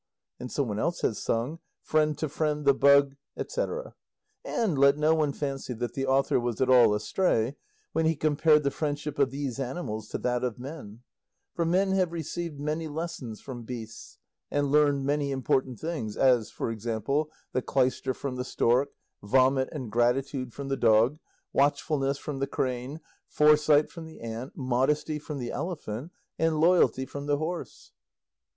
And some one else has sung Friend to friend the bug, etc. And let no one fancy that the author was at all astray when he compared the friendship of these animals to that of men; for men have received many lessons from beasts, and learned many important things, as, for example, the clyster from the stork, vomit and gratitude from the dog, watchfulness from the crane, foresight from the ant, modesty from the elephant, and loyalty from the horse.